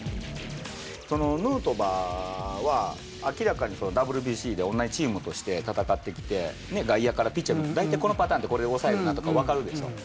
そのヌートバーは、明らかにＷＢＣで同じチームとして戦ってきて、外野からピッチャー見て、大体このパターンでこれを抑えるなとか分かるでしょ。